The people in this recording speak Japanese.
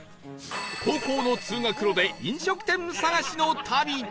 高校の通学路で飲食店探しの旅